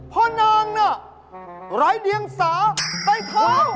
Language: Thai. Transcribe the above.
เพราะนางน่ะร้ายเดียงสาไปเถา